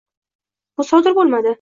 Bu sodir bo'lmadi